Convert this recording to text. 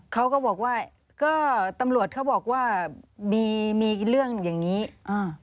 เขาก็บอกว่าก็ตำรวจเขาบอกว่าบีมีเรื่องอย่างงี้อ่า